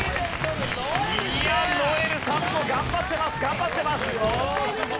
いや如恵留さんも頑張ってます頑張ってます。